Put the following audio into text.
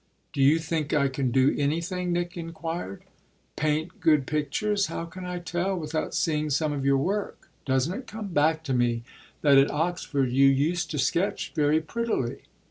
"Do you think I can do anything?" Nick inquired. "Paint good pictures? How can I tell without seeing some of your work? Doesn't it come back to me that at Oxford you used to sketch very prettily?